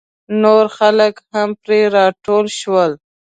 نور خلک هم پرې راټول شول.